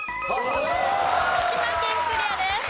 徳島県クリアです。